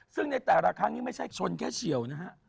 ซึ่งในแต่ละครั้งไม่ใช่ชนแค่เฉี่ยว